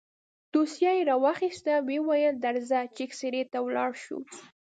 دوسيه يې راواخيسته ويې ويل درځه چې اكسرې ته ولاړ شو.